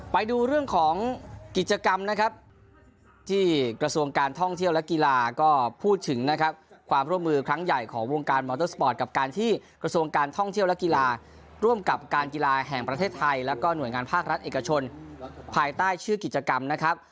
ไปดูเรื่องของกิจกรรมนะครับที่กระทรวงการท่องเที่ยวและกีฬาก็พูดถึงนะครับความร่วมมือครั้งใหญ่ของวงการมอเตอร์สปอร์ตกับการที่กระทรวงการท่องเที่ยวและกีฬาร่วมกับการกีฬาแห่งประเทศไทยแล้วก็หน่วยงานภาครัฐเอกชนภายใต้ชื่อกิจกรรมนะครับ